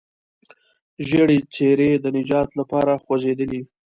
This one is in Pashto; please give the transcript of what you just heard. ژېړې څېرې د نجات لپاره خوځېدلې.